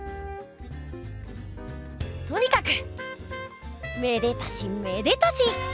とにかくめでたしめでたし！